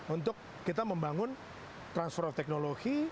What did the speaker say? untuk kita membangun transfer of technology